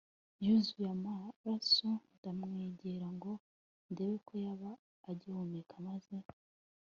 yuzuye amaraso ndamwegera ngo ndebe ko yaba agihumeka maze